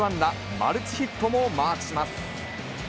マルチヒットもマークします。